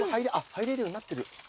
入れるようになってる。